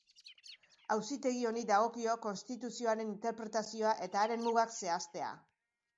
Auzitegi honi dagokio Konstituzioaren interpretazioa eta haren mugak zehaztea.